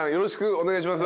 お願いします。